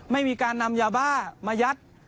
ไม่มีการนำยาบ้ามายัด